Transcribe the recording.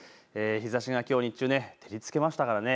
日ざしがきょう日中、照りつけましたからね。